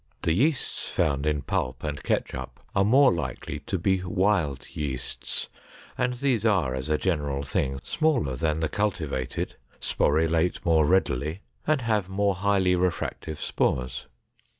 The yeasts found in pulp and ketchup are more likely to be "wild yeasts" and these are, as a general thing, smaller than the cultivated, sporulate more readily, and have more highly refractive spores.